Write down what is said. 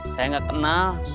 saya gak kenal